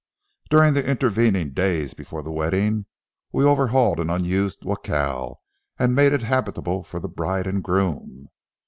During the intervening days before the wedding, we overhauled an unused jacal and made it habitable for the bride and groom.